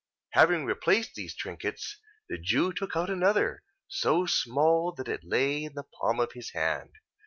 Having replaced these trinkets, the Jew took out another: so small that it lay in the palm of his hand.